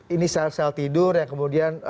ini sel sel tidur yang kemudian